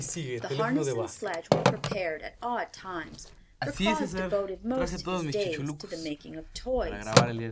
The harness and sledge were prepared at odd times, for Claus devoted most of his days to the making of toys.